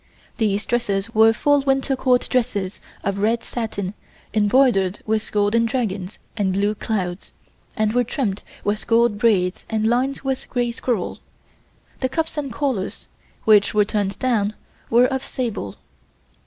These dresses were full winter Court dresses, of red satin embroidered with golden dragons and blue clouds, and were trimmed with gold braid and lined with grey squirrel. The cuffs and collars (which were turned down) were of sable.